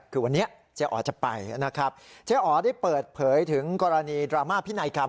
คือวันนี้เจ๊อ๋อจะไปนะครับเจ๊อ๋อได้เปิดเผยถึงกรณีดราม่าพินัยกรรม